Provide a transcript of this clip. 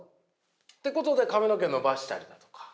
ってことで髪の毛伸ばしたりだとか。